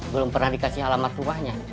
belum pernah dikasih alamat rumahnya